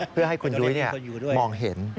เพื่อให้คุณยุ้ยมองเห็น